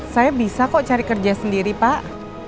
saya bisa kok cari kerja sendiri pak